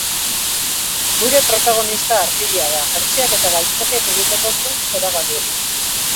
Gure protagonista artilea da, jertseak eta galtzerdiak egiteko zuntz zoragarri hori.